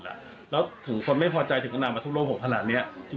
แล้วถึงคนไม่พอใจถึงนำมาทุบรถผมขนาดนี้